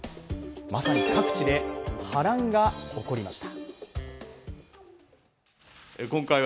まさに各地で波乱が起こりました。